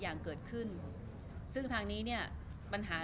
รูปนั้นผมก็เป็นคนถ่ายเองเคลียร์กับเรา